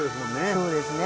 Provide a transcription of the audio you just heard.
そうですね。